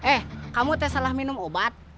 eh kamu tes salah minum obat